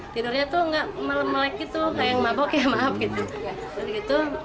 tidurnya tuh nggak melemlek gitu kayak yang mabok ya maaf gitu